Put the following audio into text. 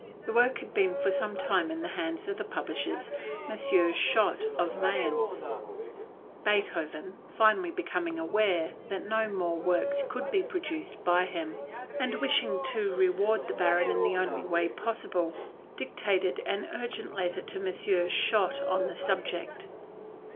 The work had been for some time in the hands of the publishers, Messrs. Schott of Mayence. Beethoven, finally becoming aware that no more works could be produced by him, and wishing to reward the Baron in the only way possible, dictated an urgent letter to Messrs. Schott on the subject.